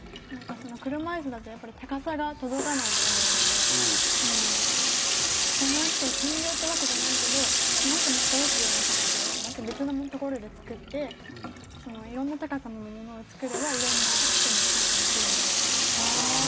車いすだとやっぱり高さが届かないと思うのでその人専用ってわけじゃないけどその人も届くような高さをまた別な所でつくっていろんな高さのものをつくればいろんな人も参加できるんじゃないかなと。